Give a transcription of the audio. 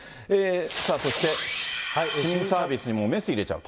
さあ、そして、新サービスにもメス入れちゃうと。